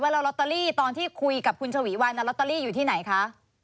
แล้วลอตเตอรี่ตอนที่คุยกับคุณฉวีวันลอตเตอรี่อยู่ที่ไหนคะ